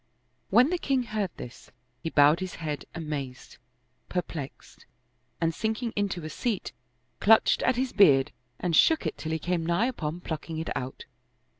When the king heard this, he bowed his head amazed, perplexed, and sinking into a seat, clutched at his beard and shook it till he came nigh upon plucking it out.